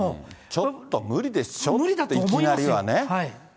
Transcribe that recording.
ちょっと無理でしょって、いきなりはね。